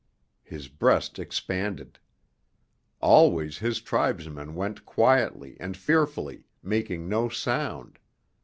His breast expanded. Always his tribesmen went quietly and fearfully, making no sound.